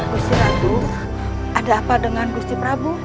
gus ratu ada apa dengan gusti prabu